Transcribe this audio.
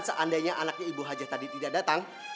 seandainya anaknya ibu hajah tadi tidak datang